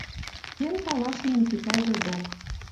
Кен талашен Микитӓжӹ док.